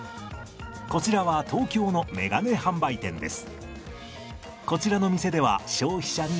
こちらは東京の眼鏡販売店です。